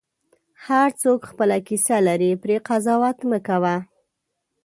هر څوک خپله کیسه لري، پرې قضاوت مه کوه.